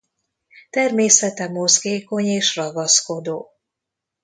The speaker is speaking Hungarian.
Természete mozgékony és ragaszkodó.